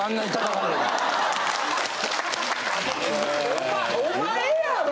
お前お前やろ！